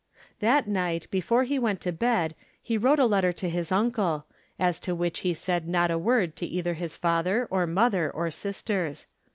That night before he went to bed he wrote a letter to his uncle, as to which he said not a word to either his father, or mother, or sisters.